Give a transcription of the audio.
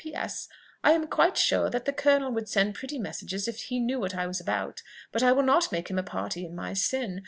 "P. S. I am quite sure that the colonel would send pretty messages if he knew what I was about: but I will not make him a party in my sin.